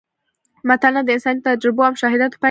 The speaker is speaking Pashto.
متلونه د انساني تجربو او مشاهداتو پایله ده